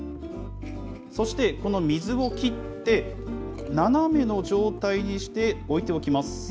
そしてこの水を切って、斜めの状態にして置いておきます。